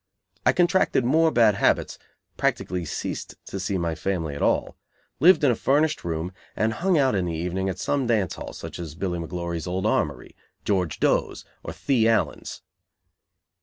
I contracted more bad habits, practically ceased to see my family at all, lived in a furnished room and "hung out" in the evening at some dance hall, such as Billy McGlory's Old Armory, George Doe's or "The" Allen's.